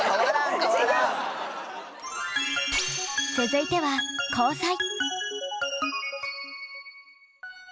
続いては交際。